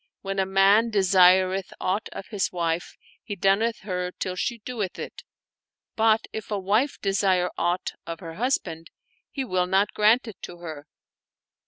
When a man desireth aught of his wife he dunneth her till she ddeth it ; but if a wife desire aught of her husband, he will not grant it to her.